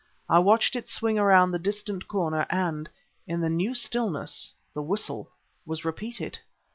I watched it swing around the distant corner ... and, in the new stillness, the whistle was repeated!